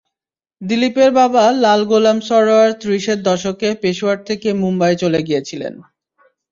দিলীপের বাবা লালা গোলাম সরয়ার ত্রিশের দশকে পেশোয়ার থেকে মুম্বাইয়ে চলে গিয়েছিলেন।